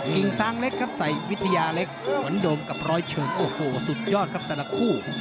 งซางเล็กครับใส่วิทยาเล็กเหมือนเดิมกับร้อยเชิงโอ้โหสุดยอดครับแต่ละคู่